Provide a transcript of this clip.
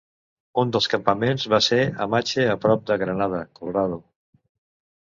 Un dels campaments va ser Amache a prop de Granada, Colorado.